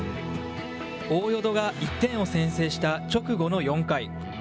大淀が１点を先制した直後の４回。